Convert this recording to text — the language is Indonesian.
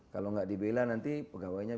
kalau nggak dibela nanti pegawainya